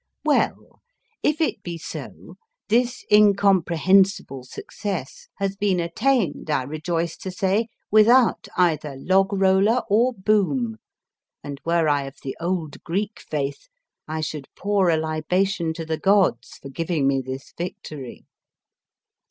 Well, if it be so, this incomprehensible success has been attained, I rejoice to say, without either log roller or boom, and were I of the old Greek faith, I should pour a libation to the gods for giving me this victory.